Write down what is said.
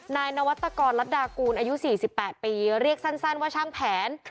นายนวัตกรรัฐดากูลอายุ๔๘ปีเรียกสั้นว่าช่างแผน